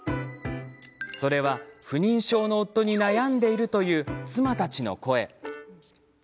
それは、不妊症の夫に悩んでいるという妻たちの声。